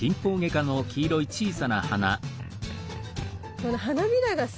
この花びらがさ。